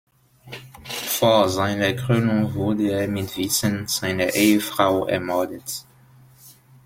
Vor seiner Krönung wurde er mit Wissen seiner Ehefrau ermordet.